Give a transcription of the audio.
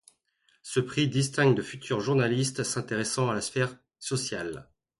Ce Prix distingue de futurs journalistes s'intéressant à la sphère sociale.